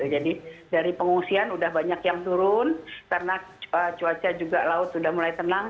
jadi dari pengungsian sudah banyak yang turun karena cuaca juga laut sudah mulai tenang